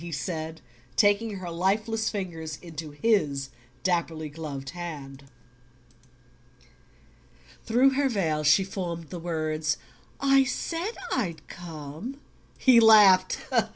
he said, taking her lifeless fingers into his dapperly gloved hand. Through her veil she formed the words: "I said I'd come." He laughed.